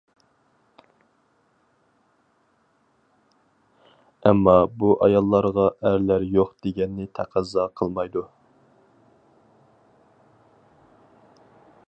ئەمما بۇ ئاياللارغا ئەرلەر يوق دېگەننى تەقەززا قىلمايدۇ.